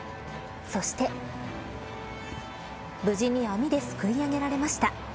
そして無事に網ですくい上げられました。